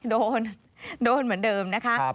โดนโดนเหมือนเดิมนะคะ